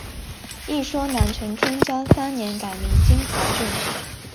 一说南陈天嘉三年改名金华郡。